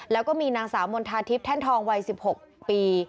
แล้วก็มีนางสาวมณฑาทิพย์แท่นทองวัย๑๖ปี